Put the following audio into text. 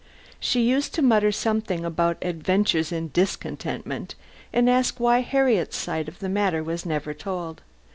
She used to mutter something about "Adventures in Discontentment" and ask why Harriet's side of the matter was never told?